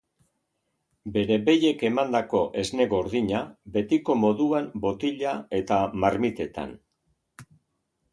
Bere behiek emandako esne gordina, betiko moduan botila eta marmitetan.